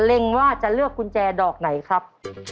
เล็งว่าจะเลือกกุญแจดอกไหนครับ